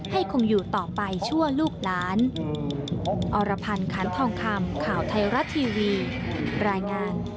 คงอยู่ต่อไปชั่วลูกหลาน